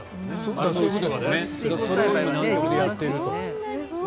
それを今南極でやっていると。